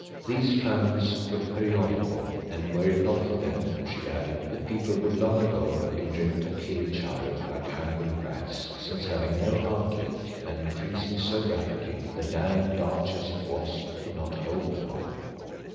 These famines were periodical, and were it not for them, she added, the people would long ago have been driven to kill each other like hungry rats, since having no outlet and increasing so rapidly, the land, large as it was, could not hold them all.